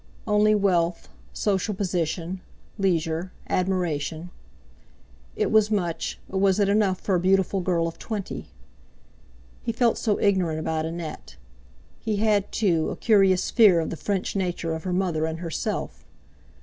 Only wealth, social position, leisure, admiration! It was much, but was it enough for a beautiful girl of twenty? He felt so ignorant about Annette. He had, too, a curious fear of the French nature of her mother and herself.